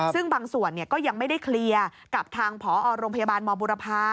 ซึ่งบางส่วนก็ยังไม่ได้เคลียร์กับทางพอโรงพยาบาลมบุรพา